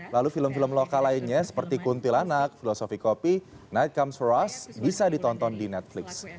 lalu film film lokal lainnya seperti kuntilanak filosofi kopi night comes ⁇ rush bisa ditonton di netflix